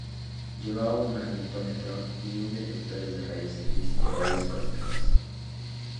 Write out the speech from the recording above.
Llevaba un magnetómetro y un detectores de rayos X y rayos cósmicos.